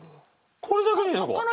これだけでいいのか？